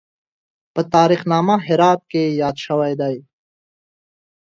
په تاریخ نامه هرات کې یاد شوی دی.